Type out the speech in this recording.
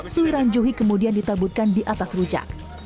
suiran juhi kemudian ditabutkan di atas rujak